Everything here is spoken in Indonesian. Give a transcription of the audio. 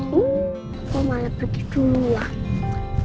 aku malah pergi duluan